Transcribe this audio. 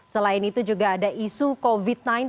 selain itu juga ada isu covid sembilan belas